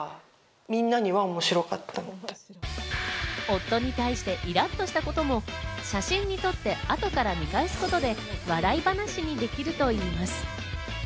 夫に対してイラっとしたことも、写真に撮って、後から見返すことで、笑い話にできるといいます。